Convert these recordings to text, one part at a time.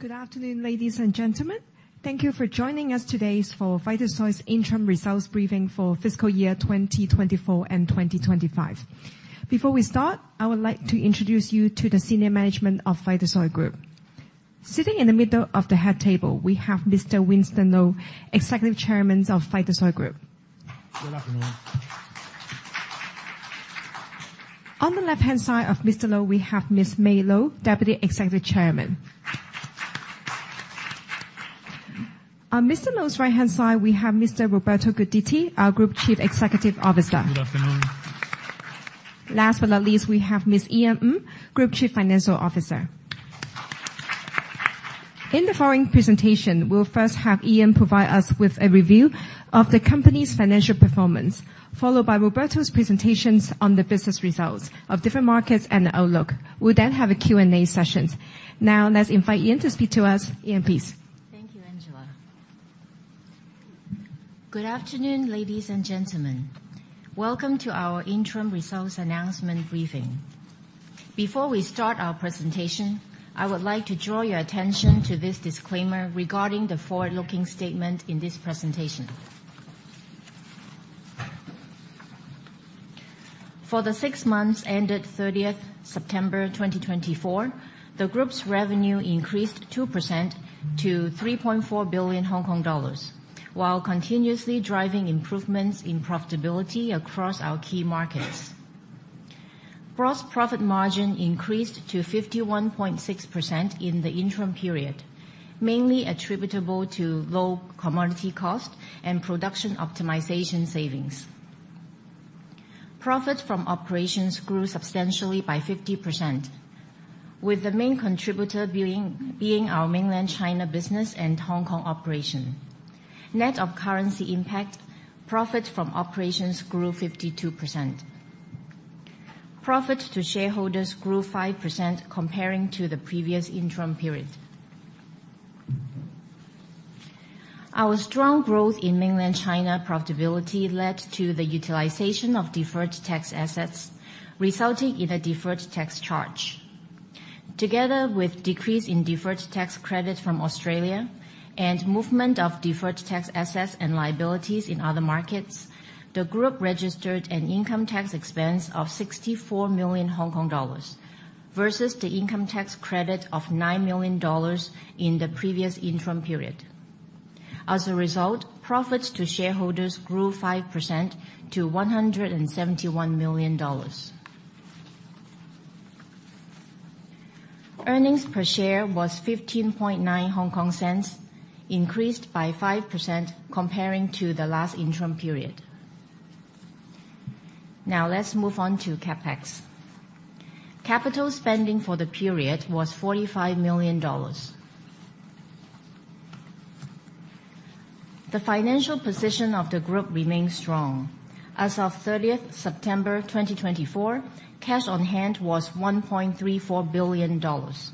Good afternoon, ladies and gentlemen. Thank you for joining us today for Vitasoy's interim results briefing for fiscal year 2024 and 2025. Before we start, I would like to introduce you to the senior management of Vitasoy Group. Sitting in the middle of the head table, we have Mr. Winston Lo, Executive Chairman of Vitasoy Group. Good afternoon. On the left-hand side of Mr. Lo, we have Ms. Mae Lo, Deputy Executive Chairman. On Mr. Lo's right-hand side, we have Mr. Roberto Guidetti, our Group Chief Executive Officer. Good afternoon. Last but not least, we have Ms. Ian Ng, Group Chief Financial Officer. In the following presentation, we'll first have Ian provide us with a review of the company's financial performance, followed by Roberto's presentations on the business results of different markets and the outlook. We'll then have a Q&A session. Now, let's invite Ian to speak to us. Ian, please. Thank you, Angela. Good afternoon, ladies and gentlemen. Welcome to our interim results announcement briefing. Before we start our presentation, I would like to draw your attention to this disclaimer regarding the forward-looking statement in this presentation. For the six months ended 30th September 2024, the Group's revenue increased 2% to 3.4 billion Hong Kong dollars, while continuously driving improvements in profitability across our key markets. Gross profit margin increased to 51.6% in the interim period, mainly attributable to low commodity cost and production optimization savings. Profits from operations grew substantially by 50%, with the main contributor being our Mainland China business and Hong Kong operation. Net of currency impact, profits from operations grew 52%. Profits to shareholders grew 5% comparing to the previous interim period. Our strong growth in Mainland China profitability led to the utilization of deferred tax assets, resulting in a deferred tax charge. Together with a decrease in deferred tax credits from Australia and movement of deferred tax assets and liabilities in other markets, the Group registered an income tax expense of 64 million Hong Kong dollars versus the income tax credit of HKD 9 million in the previous interim period. As a result, profits to shareholders grew 5% to 171 million dollars. Earnings per share was 15.9, increased by 5% comparing to the last interim period. Now, let's move on to CapEx. Capital spending for the period was 45 million dollars. The financial position of the Group remains strong. As of 30th September 2024, cash on hand was 1.34 billion dollars.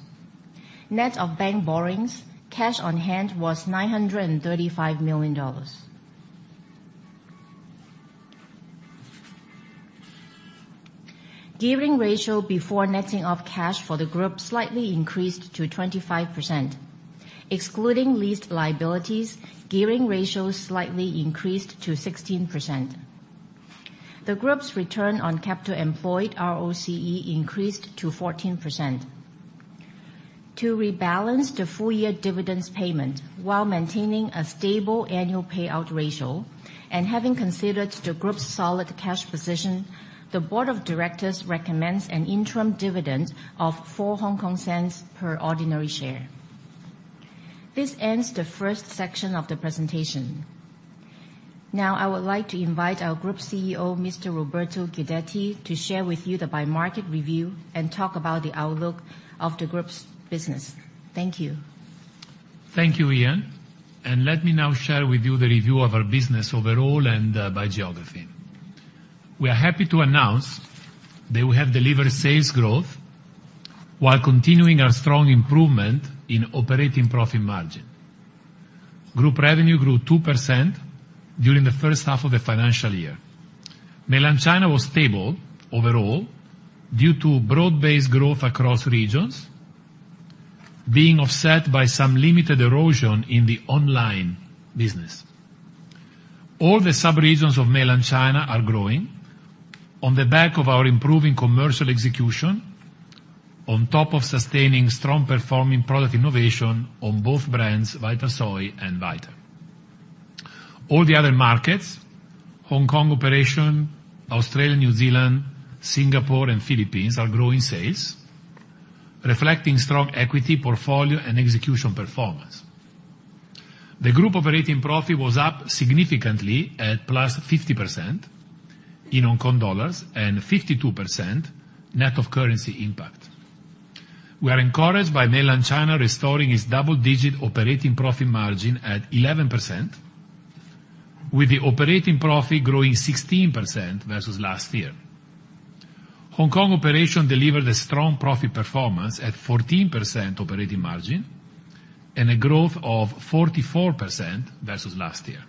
Net of bank borrowings, cash on hand was 935 million dollars. Gearing ratio before netting of cash for the Group slightly increased to 25%. Excluding lease liabilities, gearing ratio slightly increased to 16%. The Group's return on capital employed, ROCE, increased to 14%. To rebalance the full-year dividends payment while maintaining a stable annual payout ratio and having considered the Group's solid cash position, the Board of Directors recommends an interim dividend of 4 per ordinary share. This ends the first section of the presentation. Now, I would like to invite our Group CEO, Mr. Roberto Guidetti, to share with you the by-market review and talk about the outlook of the Group's business. Thank you. Thank you, Ian. Let me now share with you the review of our business overall and by geography. We are happy to announce that we have delivered sales growth while continuing our strong improvement in operating profit margin. Group revenue grew 2% during the first half of the financial year. Mainland China was stable overall due to broad-based growth across regions, being offset by some limited erosion in the online business. All the subregions of Mainland China are growing on the back of our improving commercial execution, on top of sustaining strong-performing product innovation on both brands, Vitasoy and Vita. All the other markets, Hong Kong operation, Australia, New Zealand, Singapore, and Philippines, are growing sales, reflecting strong equity portfolio and execution performance. The Group operating profit was up significantly at +50% in HKD and 52% net of currency impact. We are encouraged by Mainland China restoring its double-digit operating profit margin at 11%, with the operating profit growing 16% versus last year. Hong Kong operation delivered a strong profit performance at 14% operating margin and a growth of 44% versus last year.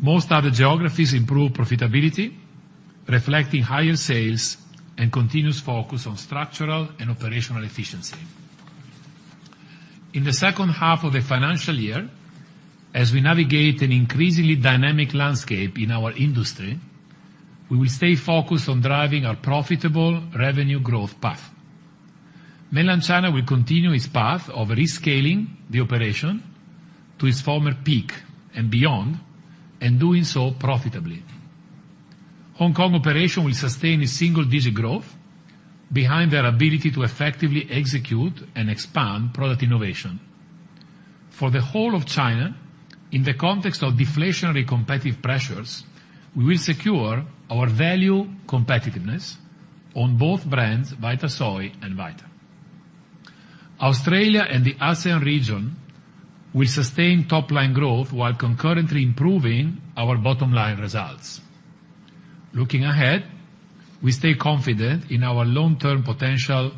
Most other geographies improved profitability, reflecting higher sales and continuous focus on structural and operational efficiency. In the second half of the financial year, as we navigate an increasingly dynamic landscape in our industry, we will stay focused on driving our profitable revenue growth path. Mainland China will continue its path of rescaling the operation to its former peak and beyond, and doing so profitably. Hong Kong operation will sustain a single-digit growth behind their ability to effectively execute and expand product innovation. For the whole of China, in the context of deflationary competitive pressures, we will secure our value competitiveness on both brands, Vitasoy and Vita. Australia and the ASEAN region will sustain top-line growth while concurrently improving our bottom-line results. Looking ahead, we stay confident in our long-term potential,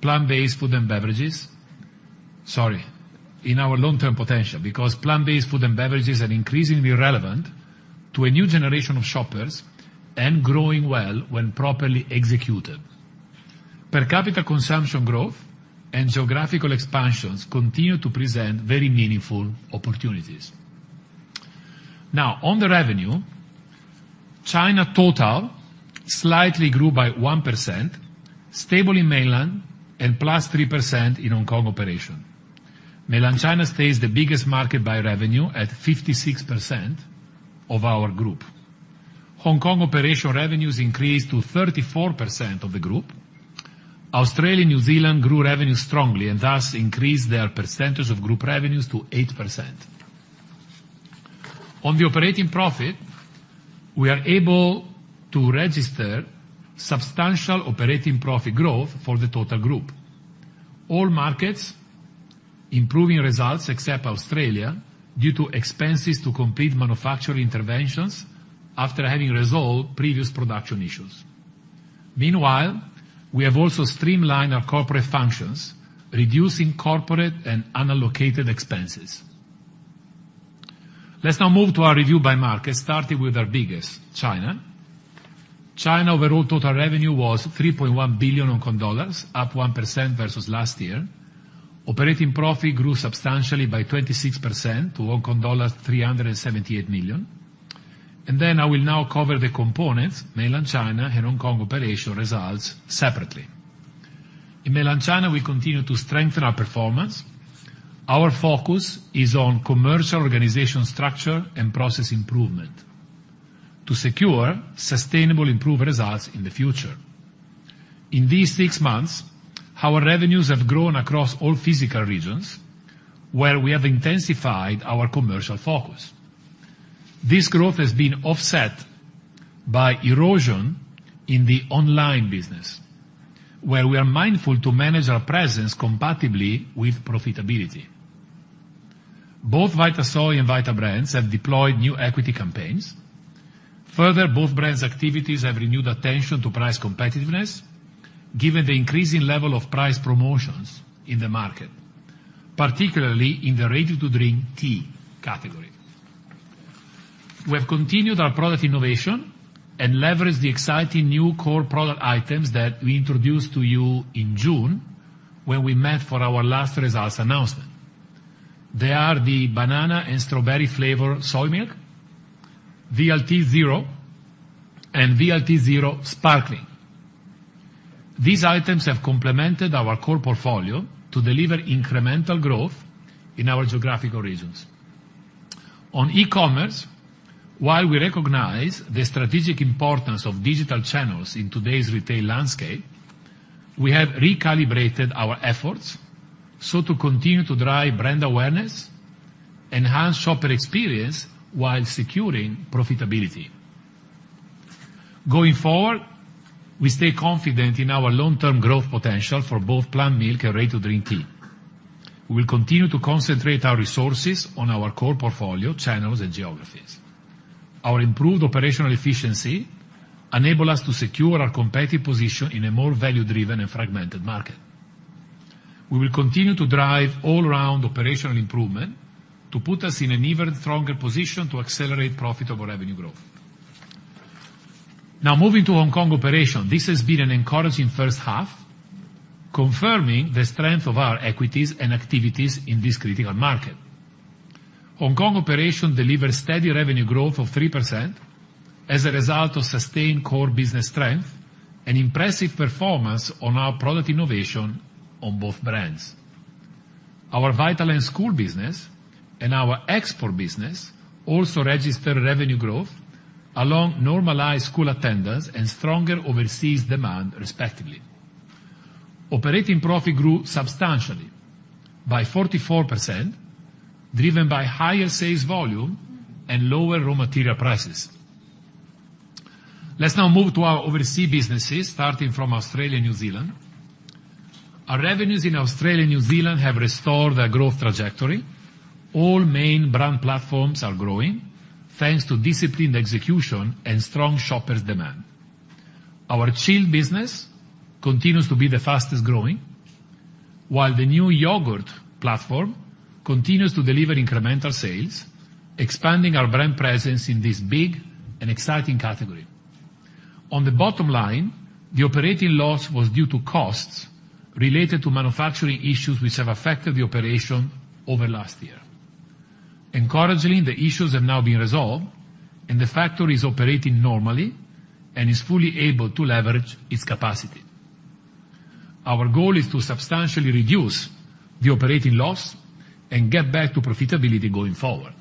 plant-based food and beverages, sorry, in our long-term potential, because plant-based food and beverages are increasingly relevant to a new generation of shoppers and growing well when properly executed. Per capita consumption growth and geographical expansions continue to present very meaningful opportunities. Now, on the revenue, China total slightly grew by 1%, stable in Mainland China and plus 3% in Hong Kong operation. Mainland China stays the biggest market by revenue at 56% of our Group. Hong Kong operation revenues increased to 34% of the Group. Australia, New Zealand grew revenues strongly and thus increased their percentage of Group revenues to 8%. On the operating profit, we are able to register substantial operating profit growth for the total Group. All markets improving results except Australia due to expenses to complete manufacturing interventions after having resolved previous production issues. Meanwhile, we have also streamlined our corporate functions, reducing corporate and unallocated expenses. Let's now move to our review by markets, starting with our biggest, China. China overall total revenue was 3.1 billion Hong Kong dollars, up 1% versus last year. Operating profit grew substantially by 26% to Hong Kong dollars 378 million, and then I will now cover the components, Mainland China and Hong Kong operation results, separately. In Mainland China, we continue to strengthen our performance. Our focus is on commercial organization structure and process improvement to secure sustainable improved results in the future. In these six months, our revenues have grown across all physical regions, where we have intensified our commercial focus. This growth has been offset by erosion in the online business, where we are mindful to manage our presence compatibly with profitability. Both Vitasoy and Vita brands have deployed new equity campaigns. Further, both brands' activities have renewed attention to price competitiveness, given the increasing level of price promotions in the market, particularly in the ready-to-drink tea category. We have continued our product innovation and leveraged the exciting new core product items that we introduced to you in June when we met for our last results announcement. They are the banana and strawberry flavored soy milk, VLT Zero, and VLT Zero Sparkling. These items have complemented our core portfolio to deliver incremental growth in our geographical regions. On e-commerce, while we recognize the strategic importance of digital channels in today's retail landscape, we have recalibrated our efforts so to continue to drive brand awareness, enhance shopper experience while securing profitability. Going forward, we stay confident in our long-term growth potential for both plant milk and ready-to-drink tea. We will continue to concentrate our resources on our core portfolio, channels, and geographies. Our improved operational efficiency enables us to secure our competitive position in a more value-driven and fragmented market. We will continue to drive all-round operational improvement to put us in an even stronger position to accelerate profitable revenue growth. Now, moving to Hong Kong operation, this has been an encouraging first half, confirming the strength of our equities and activities in this critical market. Hong Kong operation delivers steady revenue growth of 3% as a result of sustained core business strength and impressive performance on our product innovation on both brands. Our Vitaland school business and our export business also registered revenue growth along normalized school attendance and stronger overseas demand, respectively. Operating profit grew substantially by 44%, driven by higher sales volume and lower raw material prices. Let's now move to our overseas businesses, starting from Australia and New Zealand. Our revenues in Australia and New Zealand have restored their growth trajectory. All main brand platforms are growing thanks to disciplined execution and strong shopper demand. Our chilled business continues to be the fastest growing, while the new yogurt platform continues to deliver incremental sales, expanding our brand presence in this big and exciting category. On the bottom line, the operating loss was due to costs related to manufacturing issues which have affected the operation over last year. Encouragingly, the issues have now been resolved, and the factory is operating normally and is fully able to leverage its capacity. Our goal is to substantially reduce the operating loss and get back to profitability going forward.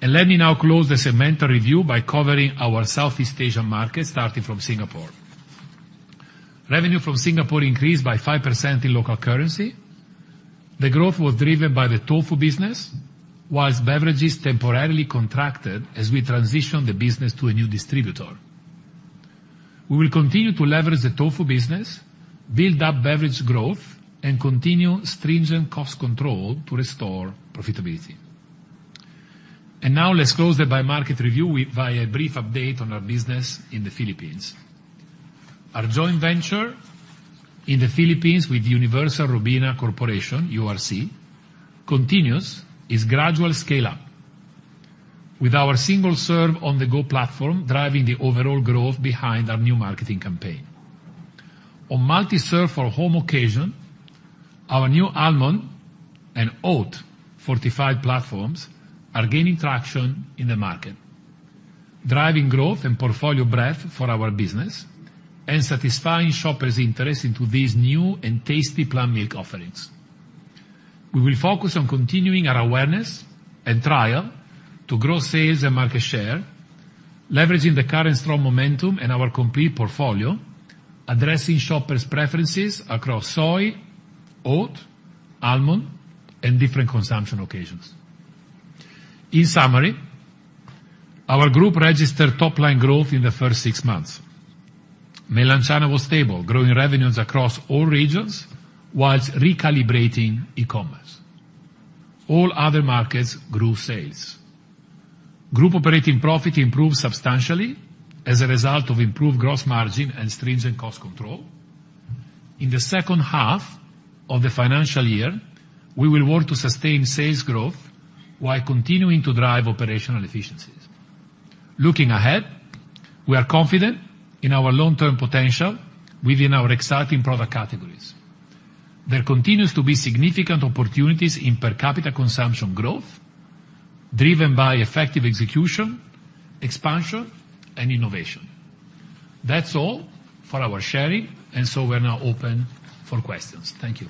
And let me now close the segmental review by covering our Southeast Asia market, starting from Singapore. Revenue from Singapore increased by 5% in local currency. The growth was driven by the tofu business, while beverages temporarily contracted as we transitioned the business to a new distributor. We will continue to leverage the tofu business, build up beverage growth, and continue stringent cost control to restore profitability. And now, let's close the by-market review via a brief update on our business in the Philippines. Our joint venture in the Philippines with Universal Robina Corporation, URC, continues its gradual scale-up, with our single serve on-the-go platform driving the overall growth behind our new marketing campaign. On multi-serve for home occasion, our new almond and oat fortified platforms are gaining traction in the market, driving growth and portfolio breadth for our business and satisfying shoppers' interest into these new and tasty plant milk offerings. We will focus on continuing our awareness and trial to grow sales and market share, leveraging the current strong momentum and our complete portfolio, addressing shoppers' preferences across soy, oat, almond, and different consumption occasions. In summary, our Group registered top-line growth in the first six months. Mainland China was stable, growing revenues across all regions while recalibrating e-commerce. All other markets grew sales. Group operating profit improved substantially as a result of improved gross margin and stringent cost control. In the second half of the financial year, we will work to sustain sales growth while continuing to drive operational efficiencies. Looking ahead, we are confident in our long-term potential within our exciting product categories. There continues to be significant opportunities in per capita consumption growth driven by effective execution, expansion, and innovation. That's all for our sharing, and so we're now open for questions. Thank you.